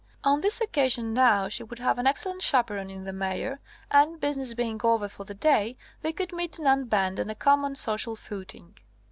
On this occasion, now, she would have an excellent chaperon in the Mayor; and, business being over for the day, they could meet and unbend on a common social footing.